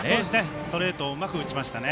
ストレートをうまく打ちましたね。